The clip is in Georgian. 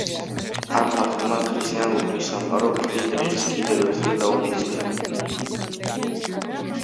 ამ ფაქტმა ქრისტიანული სამყარო ფრიდრიხს კიდევ ერთხელ დაუპირისპირა.